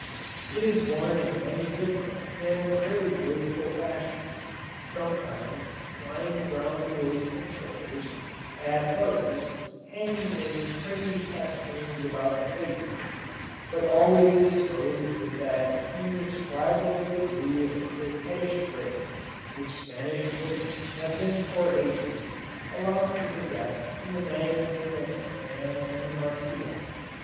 It is worn in many different and very graceful fashions sometimes twined round the waist and shoulders; at others, hanging in pretty festoons about the figure, but always disposed with that indescribable degree of coquettish grace which Spanish women have been for ages, allowed to possess in the management of the fan and the mantilla.